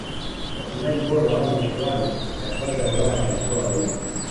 wafungaji bora wa michuano ya kwanza ya ulaya walikuwa wawili